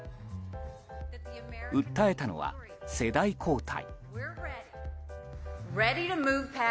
訴えたのは、世代交代。